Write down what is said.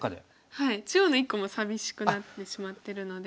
はい中央の１個も寂しくなってしまってるので。